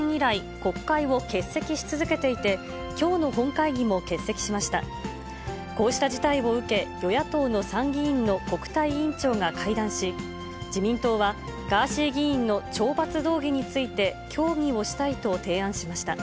こうした事態を受け、与野党の参議院の国対委員長が会談し、自民党はガーシー議員の懲罰動議について、協議をしたいと提案しました。